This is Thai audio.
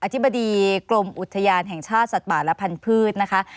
อธิบดีกรมอุทยานแห่งชาติสัตว์บาลพันธ์พืชนะคะ